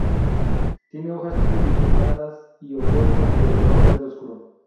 Tiene hojas pinnadas y opuestas de color verde oscuro.